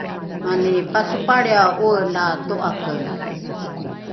mani pasopalriae ’oela to’akene